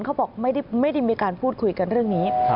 เขาบอกไม่ได้มีการพูดคุยกันเรื่องนี้